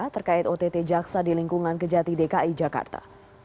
terkait ott jaksa di lingkungan kejati dki jakarta